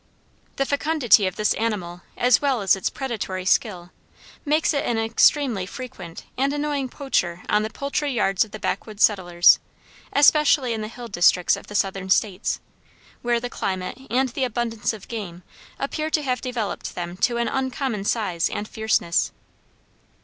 The fecundity of this animal, as well as its predatory skill, makes it an extremely frequent and annoying poacher on the poultry yards of the backwoods settlers, especially in the hill districts of the Southern States, where the climate and the abundance of game appear to have developed them to an uncommon size and fierceness.